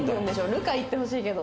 流佳行ってほしいけど。